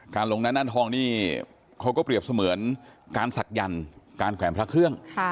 ลงหน้าทองนี่เขาก็เปรียบเสมือนการศักยันต์การแขวนพระเครื่อง